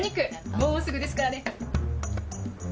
もうすぐですからね。